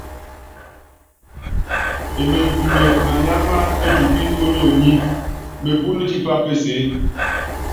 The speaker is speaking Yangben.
Emenyikune maniáma netupí ónyonyi, mepúnú tipá peseé.